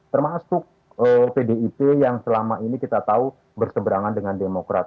termasuk pdip yang selama ini kita tahu berseberangan dengan demokrat